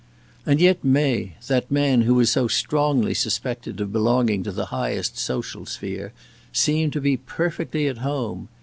And yet May, that man who was so strongly suspected of belonging to the highest social sphere, seemed to be perfectly at home.